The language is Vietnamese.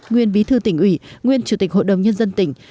nguyên bí thư tỉnh ủy nguyên chủ tịch hội đồng nhân dân tỉnh